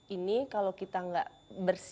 ini kalau kita nggak bersih